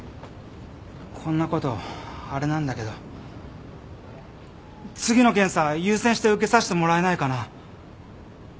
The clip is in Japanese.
こんなことあれなんだけど次の検査優先して受けさせてもらえないかな。